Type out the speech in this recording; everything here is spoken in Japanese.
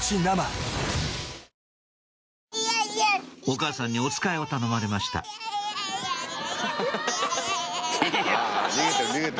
お母さんにおつかいを頼まれましたイヤイヤイヤ！